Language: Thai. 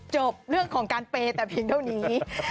จบเรื่องของการเปย์แต่เพียงเท่านี้